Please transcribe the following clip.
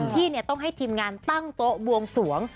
ที่ต้องให้ทีมงานตั้งโต๊ะบวงสวง